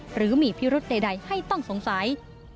หรือมีพิรุธใดให้ต้องสงสัย